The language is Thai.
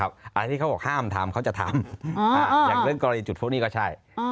อันนี้เขาบอกห้ามทำเขาจะทำอย่างเรื่องกรณีจุดพวกนี้ก็ใช่